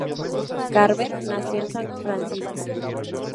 Carver nació en San Francisco.